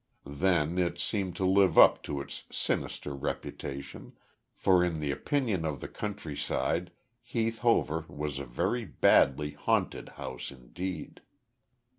Then it seemed to live up to its sinister reputation, for in the opinion of the countryside Heath Hover was a very badly haunted house indeed.